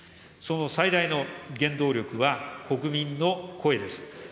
その最大の原動力は国民の声です。